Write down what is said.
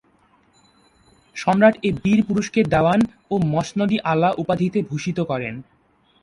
সম্রাট এ বীর পুরুষকে দেওয়ান ও মসনদ-ই-আলা উপাধিতে ভূষিত করেন।